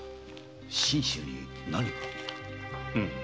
信州に何か？